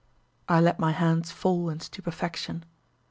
I let my hands fall in stupefaction.